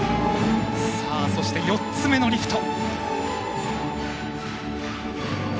さあそして４つ目のリフト。